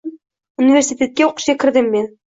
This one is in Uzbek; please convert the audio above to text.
Universitetga oʻqishga kirdim men.